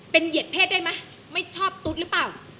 เป็นเหยียดเพศได้ไหมไม่ชอบตุ๊ดหรือเปล่า